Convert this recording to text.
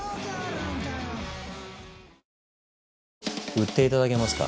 売っていただけますか。